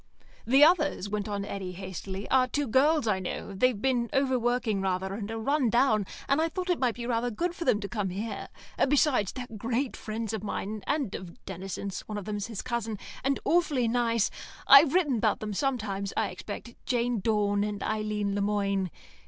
"The others," went on Eddy, hastily, "are two girls I know; they've been over working rather and are run down, and I thought it might be rather good for them to come here. Besides, they're great friends of mine, and of Denison's (one of them's his cousin) and awfully nice. I've written about them sometimes, I expect Jane Dawn and Eileen Le Moine.